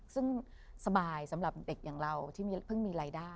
ซึ่งสบายสำหรับเด็กอย่างเราที่เพิ่งมีรายได้